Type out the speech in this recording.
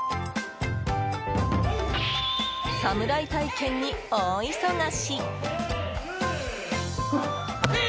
侍体験に大忙し！